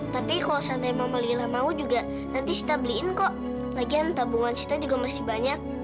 tapi kalau santai mama melilla mau juga nanti sita beliin kok lagian tabungan sita juga masih banyak